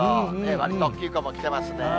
わりと大きい子も来てますね。